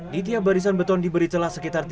di tiap barisan beton diberi celah sekitar sepuluh meter